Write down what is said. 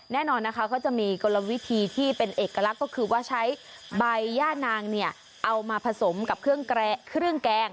แน่นอนนะคะเขาจะมีกลวิธีที่เป็นเอกลักษณ์ก็คือว่าใช้ใบย่านางเนี่ยเอามาผสมกับเครื่องแกง